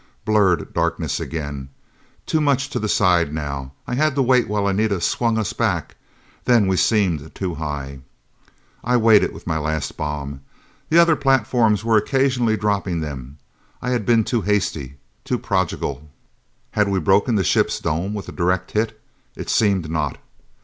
Blurred darkness again. Too much to the side now. I had to wait while Anita swung us back. Then we seemed too high. I waited with my last bomb. The other platforms were occasionally dropping them: I had been too hasty, too prodigal. Had we broken the ship's dome with a direct hit? It seemed not.